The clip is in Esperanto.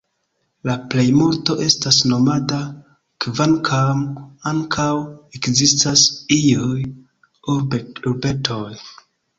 La plejmulto estas nomada, kvankam ankaŭ ekzistas iuj urbetoj.